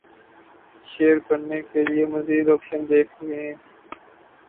share کرنے کے لیے مزید آپشن دیکھ„یں